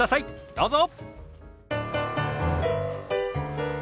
どうぞ！